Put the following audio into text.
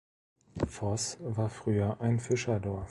Foz war früher ein Fischerdorf.